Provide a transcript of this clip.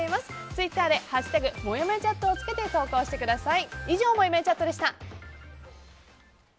ツイッターで「＃もやもやチャット」をつけて投稿してください。